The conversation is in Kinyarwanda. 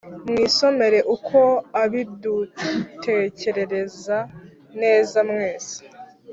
mwisomere uko abidutekererezaneza mwese